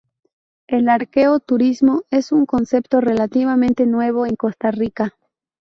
El arqueo-turismo es un concepto relativamente nuevo en Costa Rica.